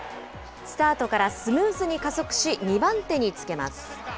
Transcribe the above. スタートからスムーズに加速し、２番手につけます。